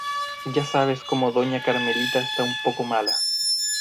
Ya sabes como doña carmelita está un poco mala.